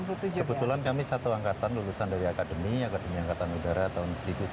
kebetulan kami satu angkatan lulusan dari akademi akademi angkatan udara tahun seribu sembilan ratus sembilan puluh